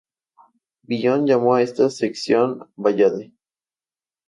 Villon llamó a esta sección "Ballade".